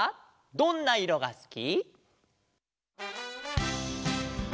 「どんないろがすき」「」